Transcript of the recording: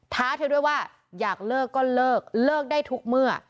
ท้าเธอด้วยว่าอยากเลิกก็เลิกเลิกได้ทุกเมื่อ